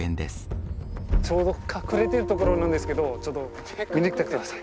ちょうど隠れてる所なんですけどちょっと見に来てください。